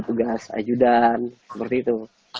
tugas ajudan seperti itu